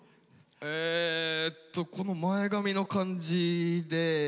えっとこの前髪の感じで。